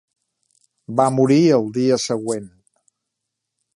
Va morir al dia següent.